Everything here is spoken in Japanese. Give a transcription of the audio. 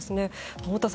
太田さん